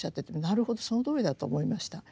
なるほどそのとおりだと思いました。